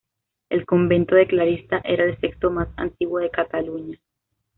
El convento de clarisas era el sexto más antiguo de Cataluña.